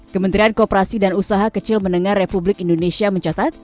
kementerian kooperasi dan usaha kecil menengah republik indonesia mencatat